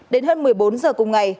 đến hơn một mươi bốn giờ cùng ngày